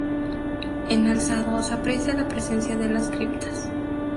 En alzado se aprecia la presencia de las criptas.